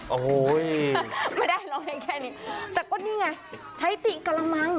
โอ้โหไม่ได้ร้องได้แค่นี้แต่ก็นี่ไงใช้ติกระมัง